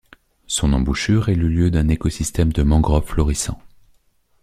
Son embouchure est le lieu d'un écosystème de mangrove florissant.